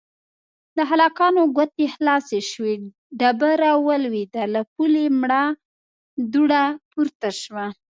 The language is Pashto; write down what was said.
د هلک ګوتې خلاصې شوې، ډبره ولوېده، له پولې مړه دوړه پورته شوه.